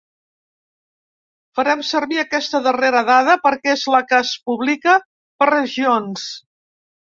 Farem servir aquesta darrera dada perquè és la que es publica per regions.